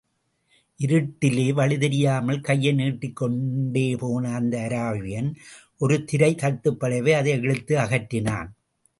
இருட்டிலே வழி தெரியாமல் கையைநீட்டிக் கொண்டேபோன அந்த அராபியன் ஒரு திரை தட்டுப்படவே அதை இழுத்து அகற்றினான்.